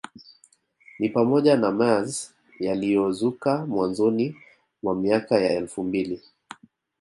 Ni pamoja na mers yaliyozuka mwanzoni mwa miaka ya elfu mbili